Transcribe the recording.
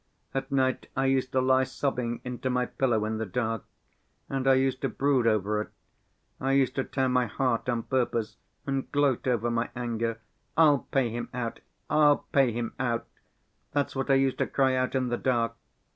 At night I used to lie sobbing into my pillow in the dark, and I used to brood over it; I used to tear my heart on purpose and gloat over my anger. 'I'll pay him out, I'll pay him out!' That's what I used to cry out in the dark.